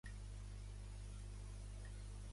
Dijous en Renat August i na Lola volen anar a Toga.